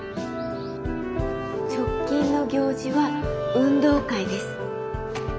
直近の行事は運動会です。